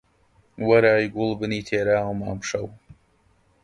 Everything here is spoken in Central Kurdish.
وەرە ئەی گوڵبنی تێراوم ئەمشەو